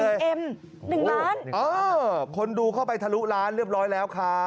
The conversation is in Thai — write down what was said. อุ้ยหนึ่งเอ็มหนึ่งล้านอ้าวคนดูเข้าไปทะลุล้านเรียบร้อยแล้วครับ